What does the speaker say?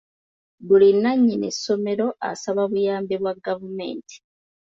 Buli nannyini ssomero asaba buyambi bwa gavumenti.